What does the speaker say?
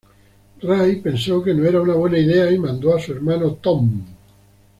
Ray pensó que no era una buena idea y mandó a su hermano Tom.